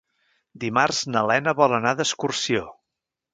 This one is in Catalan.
Dimarts na Lena vol anar d'excursió.